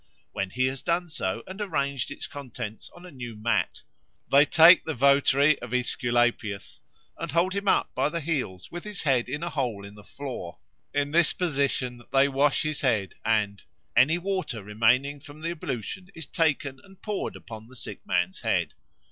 When he has done so and arranged its contents on a new mat, they take the votary of Aesculapius and hold him up by the heels with his head in a hole in the floor. In this position they wash his head, and "any water remaining from the ablution is taken and poured upon the sick man's head."